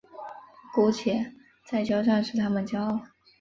姑且再交战使他们骄傲。